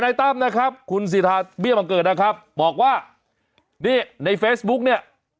ตั้มนะครับคุณสิทธาเบี้ยบังเกิดนะครับบอกว่านี่ในเฟซบุ๊กเนี่ย